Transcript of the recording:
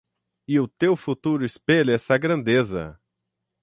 E o teu futuro espelha essa grandeza